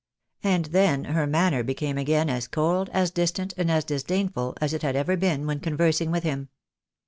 And then her manner became again as cold, as dis tant, and as disdainful as it had ever been when conversing with him.